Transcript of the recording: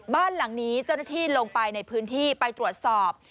บ้านหลังนี้เจ้าหน้าที่ลงไปในพื้นที่ไปตรวจสอบ